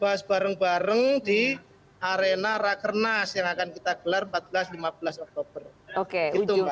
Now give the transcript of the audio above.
jadi kita akan bahas bareng bareng di arena rakernas yang akan kita gelar empat belas lima belas oktober